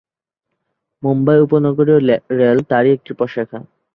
মুম্বাই উপনগরীয় রেল তারই একটি প্রশাখা।